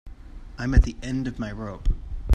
I'm at the end of my rope.